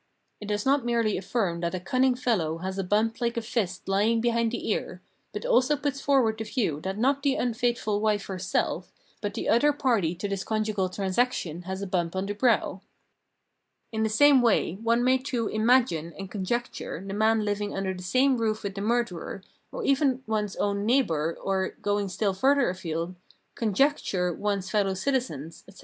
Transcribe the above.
It does not merely affirm that a cunning fellow has a bump like a fist lying behind the ear, but also puts forward the view that not the unfaithful wife herself, but the other party to this conjugal transaction has a bump on the brow. In the same way one may too " imagine " and " con jecture " the man hving under the same roof with the murderer, or even one's own neighbour, or, going still 326 Phenomenology of Mind further afield, " conjecture " one's fellow citizens, etc.